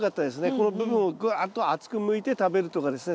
この部分をぐわっと厚くむいて食べるとかですね